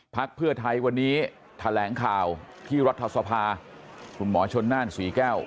พักเพื่อไทยวันนี้แถลงข่าวที่รัฐสภาคุณหมอชนน่านศรีแก้ว